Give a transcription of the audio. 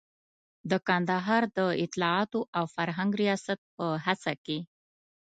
د کندهار د اطلاعاتو او فرهنګ ریاست په هڅه کې.